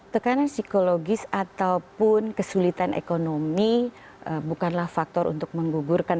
tekanan psikologis ataupun kesulitan ekonomi bukanlah faktor untuk menggugurkan